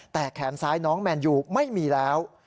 แต่แขนซ้ายน้องแมนยูไม่มีแล้ว